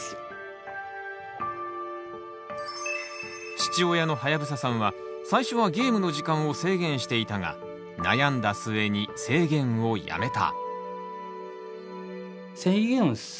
父親のはやぶささんは最初はゲームの時間を制限していたが悩んだ末に制限をやめた。